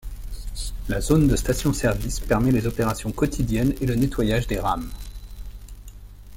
La zone de station-service permet les opérations quotidiennes et le nettoyage des rames.